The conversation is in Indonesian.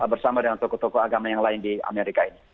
bersama dengan tokoh tokoh agama yang lain di amerika ini